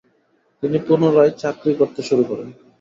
তিনি পুনরায় চাকরি করতে শুরু করেন।